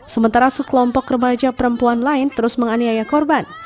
sementara sekelompok remaja perempuan lain terus menganiaya korban